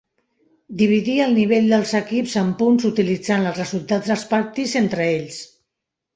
Dividir el nivell dels equips en punts utilitzant els resultats dels partits entre ells.